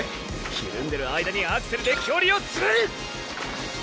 ひるんでる間に「アクセル」で距離を詰める！